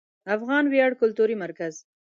افغان ویاړ کلتوري مرکز